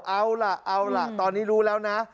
เอาล่ะเอาล่ะตอนนี้รู้แล้วนะ